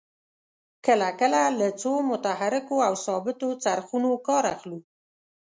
کله کله له څو متحرکو او ثابتو څرخونو کار اخلو.